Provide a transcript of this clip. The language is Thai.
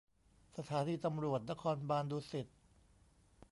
สถานีตำรวจนครบาลดุสิต